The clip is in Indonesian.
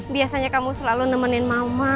biasanya kamu selalu nemenin mama